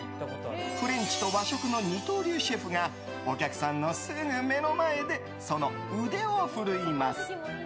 フレンチと和食二刀流シェフがお客さんのすぐ目の前でその腕を振るいます。